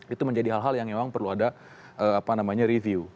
itu menjadi hal hal yang memang perlu ada review